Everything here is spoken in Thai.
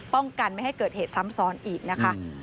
ป้องกันไม่ให้เกิดเหตุซ้ำซ้อนอีกนะคะ